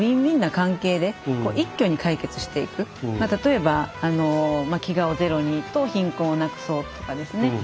まあ例えば「飢餓をゼロに」と「貧困をなくそう」とかですね